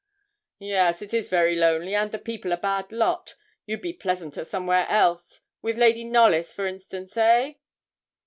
'Yes, it is very lonely, and the people a bad lot. You'd be pleasanter somewhere else with Lady Knollys, for instance, eh?'